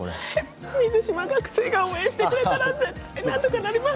水島学生が応援してくれたらなんとかなります。